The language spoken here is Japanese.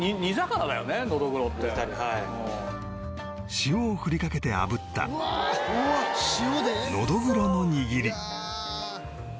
塩を振りかけてあぶったノドグロの握り